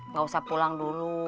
gak usah pulang dulu